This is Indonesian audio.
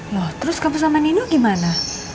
loh terus kamu sama nino gimana